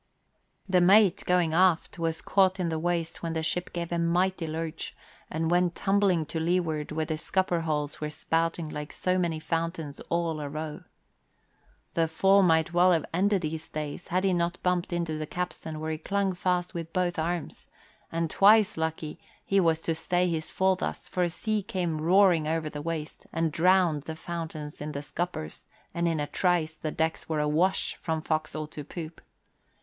The mate, going aft, was caught in the waist when the ship gave a mighty lurch, and went tumbling to lee ward where the scupper holes were spouting like so many fountains all a row. The fall might well have ended his days, had he not bumped into the capstan where he clung fast with both arms, and twice lucky he was to stay his fall thus, for a sea came roaring over the waist and drowned the fountains in the scuppers and in a trice the decks were a wash from forecastle to poop.